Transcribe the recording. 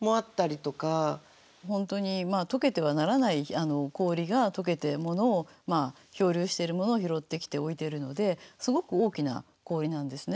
本当にまあ解けてはならない氷が解けて漂流しているものを拾ってきて置いているのですごく大きな氷なんですね。